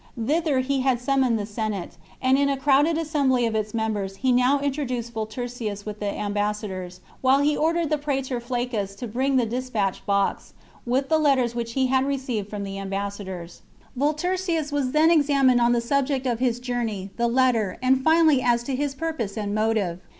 Thither he had summoned the Senate, and in a crowded assembly of its members he now intro duced Volturcius with the ambassadors, while he ordered the praetor Flaccus to bring the despatch box, with the letters which he had received from the ambassadors. Volturcius was then examined on the chap. XLVII. subject of his journey, the letter, and finally as to his purpose and motive.